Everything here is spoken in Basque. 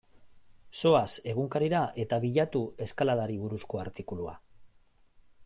Zoaz egunkarira eta bilatu eskaladari buruzko artikulua.